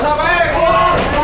bapak e keluar